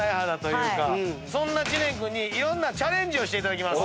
そんな知念君にいろんなチャレンジをしていただきます。